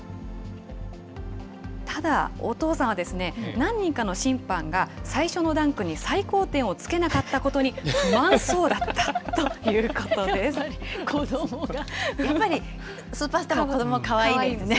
ただ、お父さんはですね、何人かの審判が、最初のダンクに最高点をつけなかったことに、不満そうだったとい子どもが、やっぱり、スーパースターも子どもはかわいいんですね。